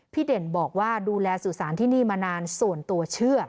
เด่นบอกว่าดูแลสื่อสารที่นี่มานานส่วนตัวเชื่อ